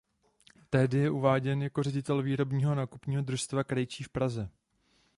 Tehdy je uváděn jako ředitel Výrobního a nákupního družstva krejčí v Praze.